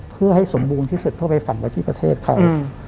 เพื่อให้สมบูรณ์ที่สุดเพื่อไปฝังไว้ที่ประเทศเขา